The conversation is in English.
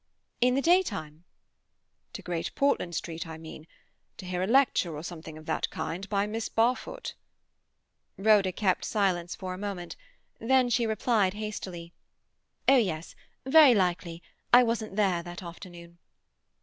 "In the day time?" "To Great Portland Street, I mean—to hear a lecture, or something of that kind, by Miss Barfoot." Rhoda kept silence for a moment. Then she replied hastily— "Oh yes—very likely—I wasn't there that afternoon."